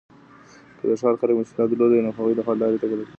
که د ښار خلګو مشکلات درلودل، نو هغوی د حل لاري ته اړتیا لري.